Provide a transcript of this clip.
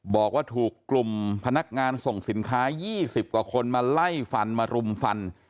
บอกว่าถูกกลุ่มพนักงานส่งสินค้า๒๐กว่าคนมาไล่ฟันมารุมฟัน